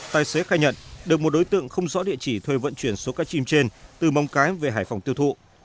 tài xế khai nhận được một đối tượng không rõ địa chỉ thuê vận chuyển số cá chim trên từ móng cái về hải phòng tiêu thụ